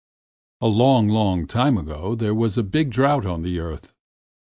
A LONG, long time ago there was a big drought on the earth.